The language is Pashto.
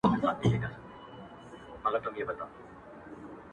ښه خواږه لکه ګلان داسي ښایسته وه.